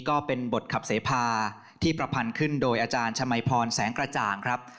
ก็เป็นบทขับเสพาที่ประพันธ์ขึ้นโดยอาจารย์ชมัยพรแสงกระจ่างครับ